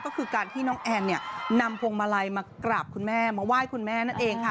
ก็คือการที่น้องแอนเนี่ยนำพวงมาลัยมากราบคุณแม่มาไหว้คุณแม่นั่นเองค่ะ